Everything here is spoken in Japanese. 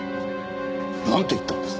なんて言ったんです？